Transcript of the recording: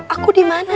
aku di mana